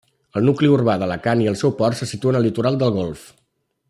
El nucli urbà d'Alacant i el seu port se situen al litoral del golf.